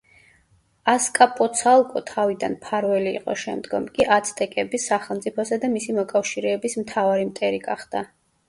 ასკაპოცალკო თავიდან მფარველი იყო, შემდგომ კი აცტეკების სახელმწიფოსა და მისი მოკავშირეების მთავარი მტერი გახდა.